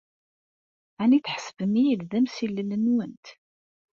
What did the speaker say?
Ɛni tḥesbem-iyi d amsillel-nwent?